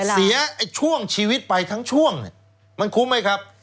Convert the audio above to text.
เสียช่วงชีวิตไปทั้งช่วงมันคุ้มไหมครับ